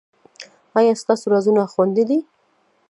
ایا ستاسو رازونه خوندي دي؟